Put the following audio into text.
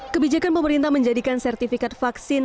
kebijakan pemerintah menjadikan sertifikat vaksin